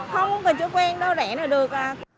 không cần chữa quen đâu rẻ là được